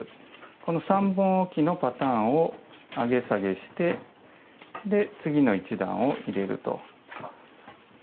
この３本おきのパターンを上げ下げして次の１段を入れると。